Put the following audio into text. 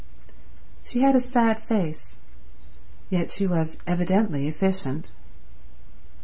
She had a sad face, yet she was evidently efficient.